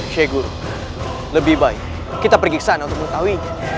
sheikh guru lebih baik kita pergi ke sana untuk mengetahuinya